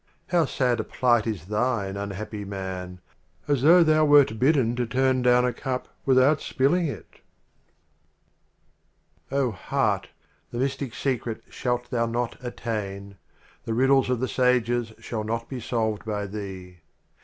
How sad a Plight is thine, unhappy Man, As though thou wert bidden to turn down a Cup without spilling it ! 7° LXII. O Heart! the Mystic Secret shalt The Literal thou not attain. Omar The Riddles of the Sages shall not be solved by thee.